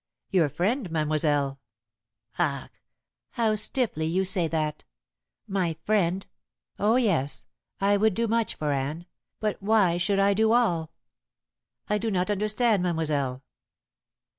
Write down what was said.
"Your friend, mademoiselle." "Ach! How stiffly you stay that! My friend! Oh, yes. I would do much for Anne, but why should I do all?" "I do not understand, mademoiselle."